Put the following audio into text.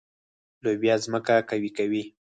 لوبیا ځمکه قوي کوي.